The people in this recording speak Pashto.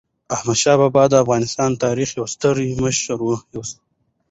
احمدشاه بابا د افغان تاریخ یو ستر مشر و.